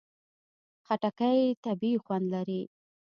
خټکی طبیعي خوند لري.